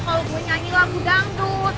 kalau gue nyanyi lagu dangdut